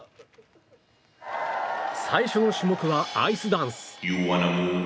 最初の種目はアイスダンス。